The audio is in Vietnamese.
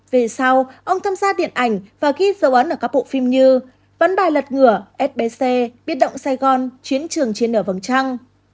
về sau ông tham gia điện ảnh và ghi dấu ấn ở các bộ phim như ván bài lật ngửa sbc biệt động sài gòn chiến trường chiến nở vầng trăng